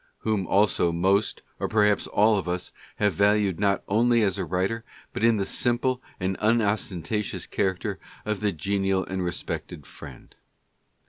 whom also most or perhaps all of us have valued not only as a writer, but in the simple and unostentatious character of the genial and respected friend.